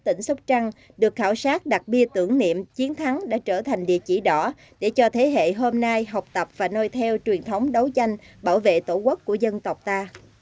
tỉnh sóc trăng được khảo sát đặc biệt tưởng niệm chiến thắng đã trở thành địa chỉ đỏ để cho thế hệ hôm nay học tập và nôi theo truyền thống đấu tranh bảo vệ tổ quốc của dân tộc ta